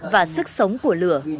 và sức sống của lửa